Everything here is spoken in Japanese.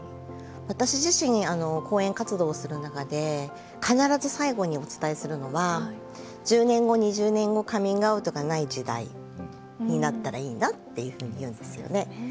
私自身講演活動する中で必ず最後にお伝えするのは１０年後２０年後カミングアウトがない時代になったらいいなっていうふうに言うんですよね。